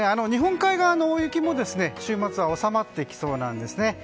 日本海側の大雪も週末は収まってきそうなんですね。